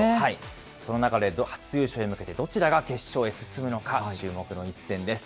その中で初優勝へ向けて、どちらが決勝へ進むのか注目の一戦です。